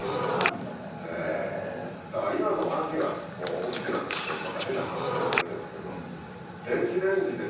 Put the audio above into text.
だから今の話が大きくなって行くとまた変な話になっちゃいますけど。